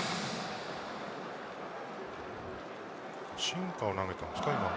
シンカーを投げたんですか？